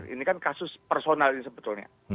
ini kan kasus personal ini sebetulnya